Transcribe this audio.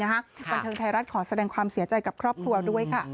บันเทิงไทยรัฐขอแสดงความเสียใจกับครอบครัวด้วยค่ะ